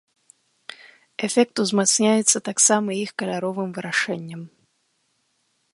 Эфект узмацняецца таксама і іх каляровым вырашэннем.